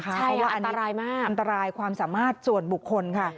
เพราะว่าอันตรายมากอันตรายความสามารถส่วนบุคคลค่ะ